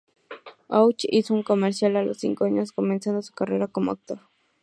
Hutch hizo un comercial a los cinco años, comenzando su carrera como actor.